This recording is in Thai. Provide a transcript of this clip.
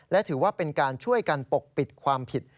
และถือว่าเป็นการช่วยกันปกปิดความผิด